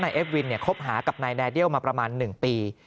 นายเอ็ดวินเนี่ยคบหากับนายแดเนียลมาประมาณ๑ปี